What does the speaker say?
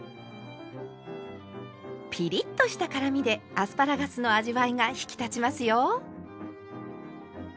ピリッとした辛みでアスパラガスの味わいが引き立ちますよ。